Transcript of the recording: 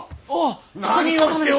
何をしておる！